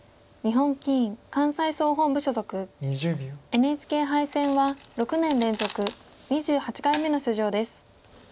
ＮＨＫ杯戦は６年連続２８回目の出場です。